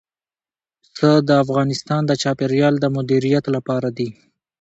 پسه د افغانستان د چاپیریال د مدیریت لپاره دي.